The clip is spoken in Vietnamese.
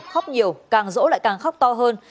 khóc nhiều càng rỗ lại càng khóc to hơn